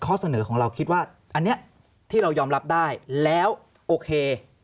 ข้อเสนอของเราคิดว่าอันนี้ที่เรายอมรับได้แล้วโอเค